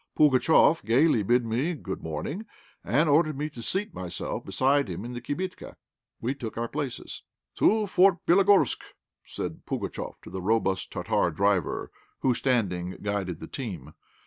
Pugatchéf gaily bid me "good morning," and ordered me to seat myself beside him in the "kibitka." We took our places. "To Fort Bélogorsk!" said Pugatchéf to the robust Tartar driver, who standing guided the team.